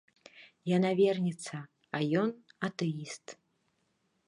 Яна верніца, а ён атэіст.